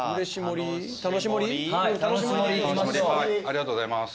ありがとうございます。